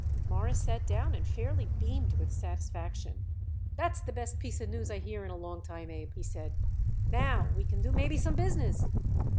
Morris sat down and fairly beamed with satisfaction. "That's the best piece of news I hear it in a long time, Abe," he said. "Now we can do maybe some business."